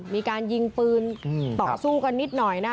มีการยิงปืนต่อสู้กันนิดหน่อยนะ